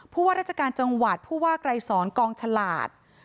ว่าราชการจังหวัดผู้ว่าไกรสอนกองฉลาด